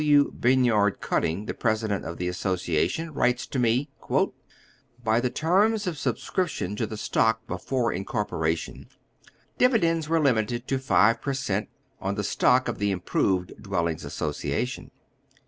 W. Bayard Cutting, the President of the Association, writes to nie :" By the terms of subscription to the stock before incor poration, dividends were limited to five per cent, on the stock of the Improved Dwellings Association.